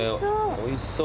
おいしそう。